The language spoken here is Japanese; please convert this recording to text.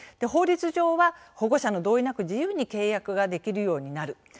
法律上は保護者の同意なく自由に契約ができるようになる。